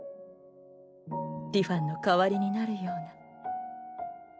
ティファンの代わりになるように。